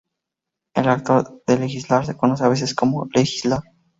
El acto de legislar se conoce a veces como legislar.